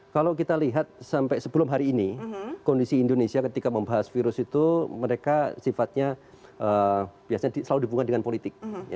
kalau kita lihat sampai sebelum hari ini kondisi indonesia ketika membahas virus itu mereka sifatnya biasanya selalu dibungkan dengan politik